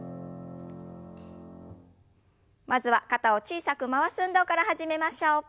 まずは肩を小さく回す運動から始めましょう。